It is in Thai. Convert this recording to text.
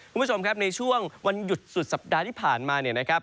คุณผู้ชมครับในช่วงวันหยุดสุดสัปดาห์ที่ผ่านมาเนี่ยนะครับ